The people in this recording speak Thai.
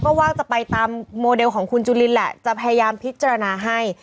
ก็ว่าจะไปตามโมเดลของคุณจุลินแหละจะพยายามพิจารณาให้